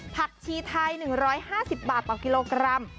ผักชีไทย๑๕๐บาทต่อกิโลกรัม